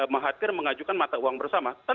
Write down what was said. mahathir mengajukan mata uang bersama